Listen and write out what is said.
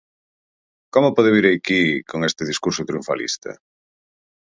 ¿Como pode vir aquí con este discurso triunfalista?